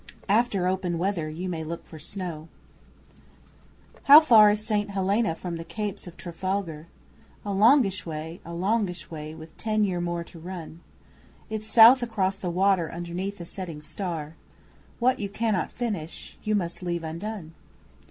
(After open weather you may look for snow!) How far is St Helena from the Capes of Trafalgar? A longish way a longish way with ten year more to run. It's South across the water underneath a setting star. (What you cannot finish you must leave undone!)